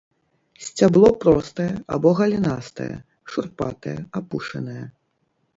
Сцябло простае або галінастае, шурпатае, апушанае.